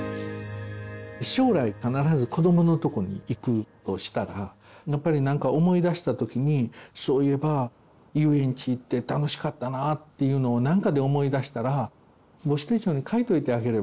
将来必ず子どものとこにいくとしたらやっぱり何か思い出した時にそういえば遊園地行って楽しかったなっていうのを何かで思い出したら母子手帳に書いといてあげればいいんです。